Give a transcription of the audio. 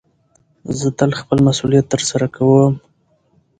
زه تل خپل مسئولیت ترسره کوم.